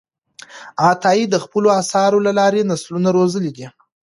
عطایي د خپلو آثارو له لارې نسلونه روزلي دي.